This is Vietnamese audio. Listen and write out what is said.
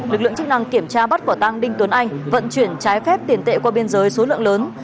lực lượng chức năng kiểm tra bắt quả tăng đinh tuấn anh vận chuyển trái phép tiền tệ qua biên giới số lượng lớn